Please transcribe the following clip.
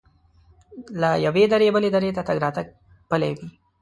له یوې درې بلې درې ته تګ راتګ پلی وي.